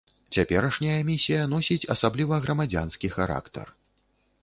Цяперашняя місія носіць асабліва грамадзянскі характар.